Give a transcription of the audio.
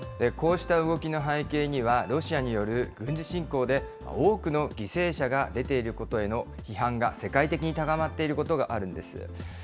こうした動きの背景には、ロシアによる軍事侵攻で、多くの犠牲者が出ていることへの批判が世界的に高まっていることがあるんです。